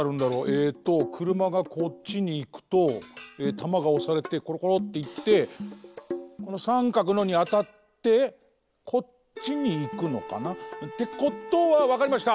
えっとくるまがこっちにいくとたまがおされてコロコロっていってこのさんかくのにあたってこっちにいくのかな？ってことはわかりました！